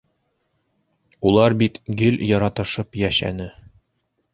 Улар бит гел яратышып йәшәне.